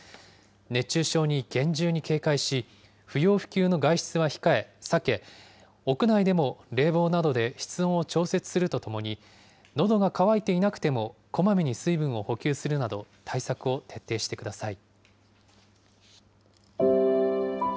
熱中症に厳重に警戒し、不要不急の外出は控え、避け、屋内でも冷房などで室温を調節するとともに、のどが渇いていなくてもこまめに水分を補給するなど、対策を徹底してください。